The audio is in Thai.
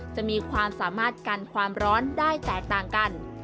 จะมีความสามารถกันความร้อนได้แตกต่างกัน